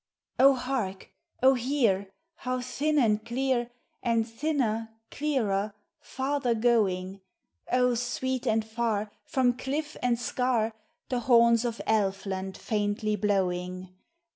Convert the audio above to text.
hark ! O hear ! how thin and clear, And thinner, clearer, farther going! O sweet and far, from cliff and scar, The horns of Elfland faintly blowing!